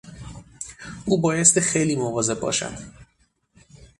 او بایستی خیلی مواظب باشد.